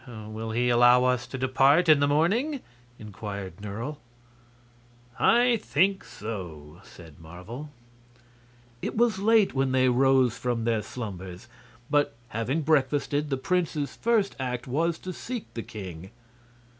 "Will he allow us to depart in the morning?" inquired Nerle. "I think so," said Marvel. It was late when they rose from their slumbers; but, having breakfasted, the prince's first act was to seek the king.